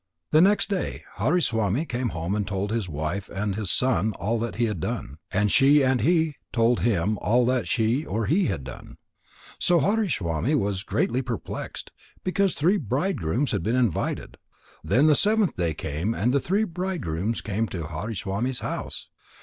The next day Hariswami came home and told his wife and his son all that he had done. And she and he each told him all that she or he had done. So Hariswami was greatly perplexed, because three bridegrooms had been invited. Then the seventh day came and the three bridegrooms came to Hariswami's house.